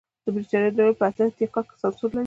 د برېټانیا دولت په اته اتیا کال کې سانسور لرې کړ.